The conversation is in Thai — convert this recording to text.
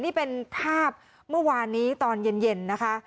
นี่เป็นภาพเมื่อวานนี้ตอนเย็นนะคะ